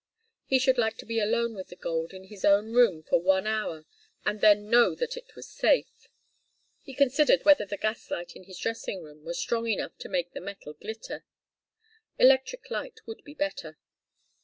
He should like to be alone with the gold in his own room for one hour, and then know that it was safe. He considered whether the gas light in his dressing room were strong enough to make the metal glitter. Electric light would be better.